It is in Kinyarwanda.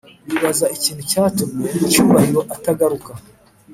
bibaza ikintu cyatumye cyubahiro atagaruka